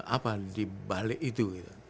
apa dibalik itu